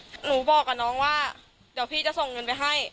สุดท้ายตัดสินใจเดินทางไปร้องทุกข์การถูกกระทำชำระวจริงและตอนนี้ก็มีภาวะซึมเศร้าด้วยนะครับ